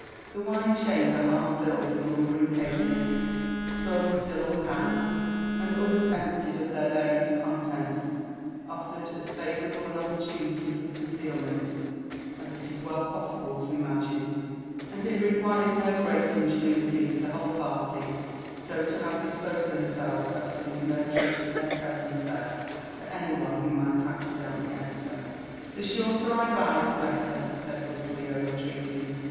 The wide chamber, half filled with lumbering cases, some still unpacked, and others emptied of their various contents, offered as favourable an opportunity for Concealment as it is well possible to ima gine, and it required no great ingenuity for the whole party so to have disposed themselves as to leave no trace of their presence there to any one who might accidentally enter. The shorter I bide the better," said the good Clio, retreating.